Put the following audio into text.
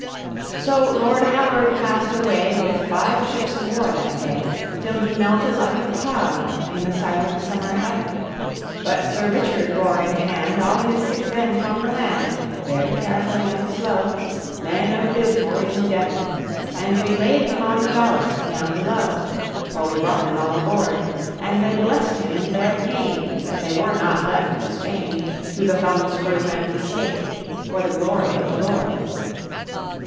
So Lord Howard passed away with five ships of war that day, Till he melted like a cloud in the silent summer heaven; But Sir Richard bore in hand all his sick men from the land Very carefully and slow, Men of Bideford in Devon, And we laid them on the ballast down below; For we brought them all aboard, And they blest him in their pain that they were not left to Spain, To the thumbscrew and the stake, for the glory of the Lord.